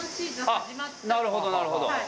なるほどなるほど。